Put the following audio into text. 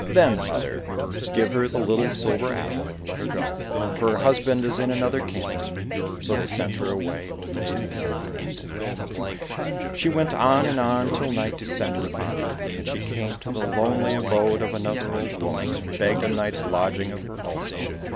—" Then, mother, give her the little silver apple, and let her go, for her husband is in another kingdom." So they sent her away with the little silver apple. She went on and on till night descended upon her, and she came to the lonely abode of another old woman, and begged a night's lodging of her also.